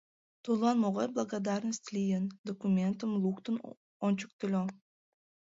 Тудлан могай благодарность лийын, документым луктын ончыктыльо.